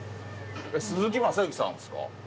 鈴木雅之さんっすか。